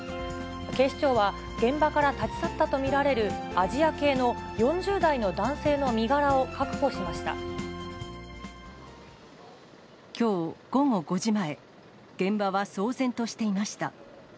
警視庁は、現場から立ち去ったと見られるアジア系の４０代の男性の身柄を確きょう午後５時前、現場は騒然としていました。